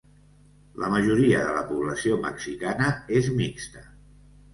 La majoria de la població mexicana és mixta.